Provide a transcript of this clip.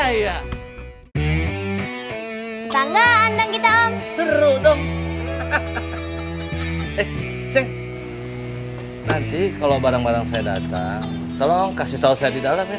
tangga andang kita om seru dong cek nanti kalau barang barang saya datang tolong kasih tahu saya di